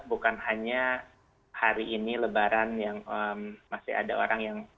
bukan hanya hari ini lebaran yang masih ada orang yang